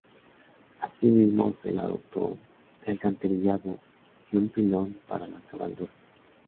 Asimismo se la dotó de alcantarillado y un pilón para las cabalgaduras.